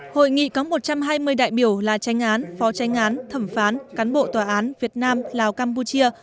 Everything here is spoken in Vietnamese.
hội nghị có một trăm hai mươi đại biểu là tranh án phó tranh án thẩm phán cán bộ tòa án việt nam lào campuchia